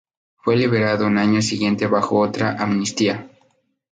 Fue liberado en año siguiente bajo otra amnistía.